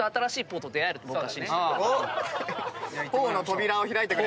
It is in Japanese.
「ぽー」の扉を開いてくれ。